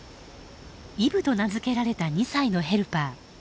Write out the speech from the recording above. イブと名付けられた２歳のヘルパー。